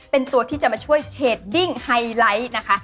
เป็นตัวที่จะมาช่วยเชดดิ้งไฮไลท์นะคะ